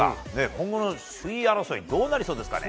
今後首位争いどうなりそうですかね。